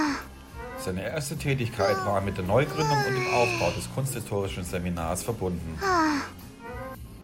Seine erste Tätigkeit war mit der Neugründung und dem Aufbau des kunsthistorischen Seminars verbunden.